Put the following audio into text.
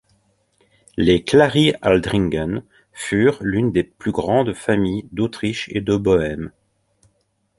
Les Clary-Aldringen furent l'une des plus grandes familles d'Autriche et de Bohême.